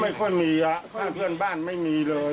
ไม่ค่อยมีเพื่อนบ้านไม่มีเลย